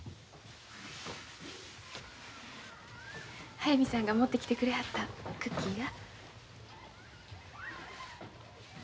速水さんが持ってきてくれはったクッキーや。